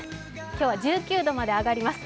今日は１９度まで上がります